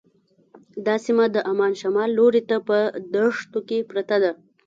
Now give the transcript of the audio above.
دا سیمه د عمان شمال لوري ته په دښتو کې پرته ده.